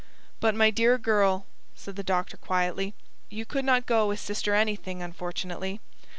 "But, my dear girl," said the doctor quietly, "you could not go as Sister Anything, unfortunately.